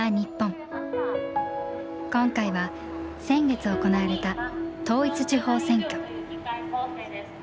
今回は先月行われた統一地方選挙。